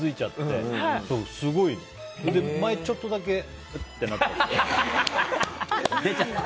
前、ちょっとだけうっってなった。